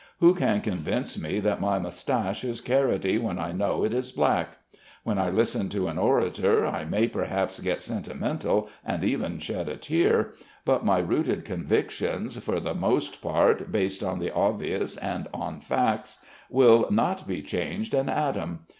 Who can convince me that my moustache is carroty when I know it is black? When I listen to an orator I may perhaps get sentimental and even shed a tear, but my rooted convictions, for the most part based on the obvious and on facts, will not be changed an atom.